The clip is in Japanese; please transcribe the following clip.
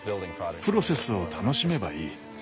プロセスを楽しめばいい。